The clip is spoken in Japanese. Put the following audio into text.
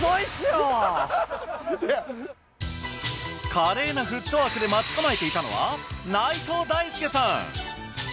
華麗なフットワークで待ち構えていたのは内藤大助さん。